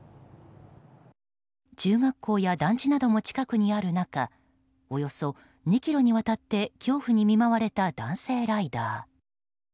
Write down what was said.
中学校や団地なども近くにある中およそ２ｋｍにわたって恐怖に見舞われた男性ライダー。